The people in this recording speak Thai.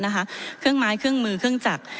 เครื่องไม้เครื่องมือเครื่องจักร